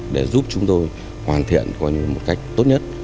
để giúp chúng tôi hoàn thiện có những cách tốt nhất